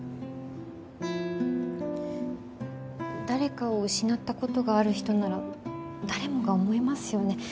誰かを失ったことがある人なら誰もが思いますよね